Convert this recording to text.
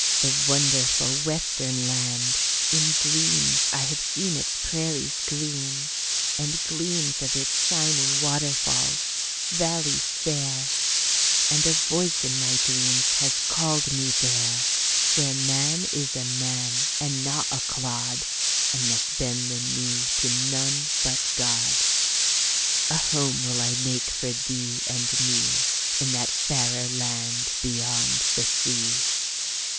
"The wonderful western land; in dreams I have seen its prairies green, and gleams Of its shining waterfalls, valleys fair, And a voice in my dreams has called me there Where man is a man, and not a clod, And must bend the knee to none but God. A home will I make for thee and me In that fairer land beyond the sea."